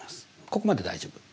ここまで大丈夫？